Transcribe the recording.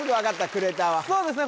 クレーターはそうですね